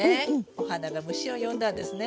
お花が虫を呼んだんですね。